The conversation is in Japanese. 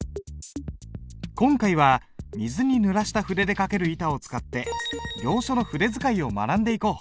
今回は水にぬらした筆で書ける板を使って行書の筆使いを学んでいこう！